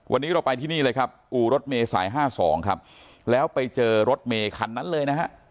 วันนี้เราไปที่นี่เลยครับอู่รถเมย์สาย๕๒ครับแล้วไปเจอรถเมคันนั้นเลยนะฮะ